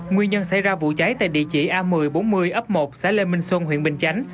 nguyên nhân xảy ra vụ cháy tại địa chỉ a một mươi bốn mươi ấp một xã lê minh xuân huyện bình chánh